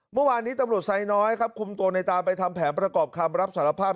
เมื่อวานนี้ตำรวจไซน้อยครับคุมตัวในตามไปทำแผนประกอบคำรับสารภาพ